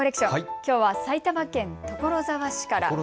きょうは埼玉県所沢市から。